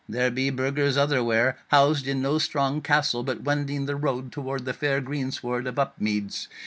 There be Burgers otherwhere, housed in no strong castle, but wending the road toward the fair greensward of Upmeads.